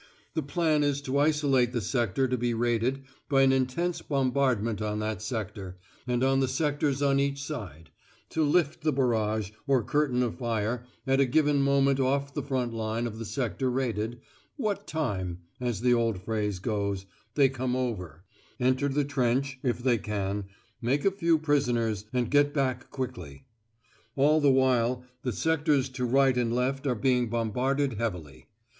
The plan is to isolate the sector to be raided by an intense bombardment on that sector, and on the sectors on each side; to "lift" the barrage, or curtain of fire, at a given moment off the front line of the sector raided "what time" (as the old phrase goes) they come over, enter the trench, if they can, make a few prisoners, and get back quickly. All the while the sectors to right and left are being bombarded heavily.